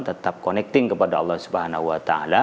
tetap connecting kepada allah swt